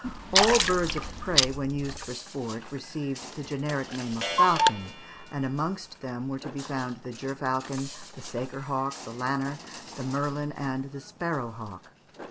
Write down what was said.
All birds of prey, when used for sport, received the generic name of falcon; and amongst them were to be found the gerfalcon, the saker hawk, the lanner, the merlin, and the sparrow hawk.